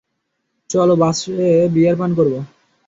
চল বাসে বিয়ার পান করব।